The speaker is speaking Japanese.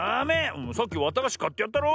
さっきわたがしかってやったろ。